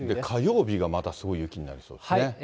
火曜日がまた、すごい雪になりそうですね。